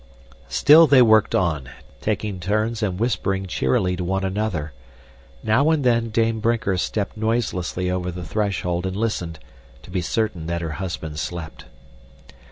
Still they worked on, taking turns and whispering cheerily to one another. Now and then Dame Brinker stepped noiselessly over the threshold and listened, to be certain that her husband slept.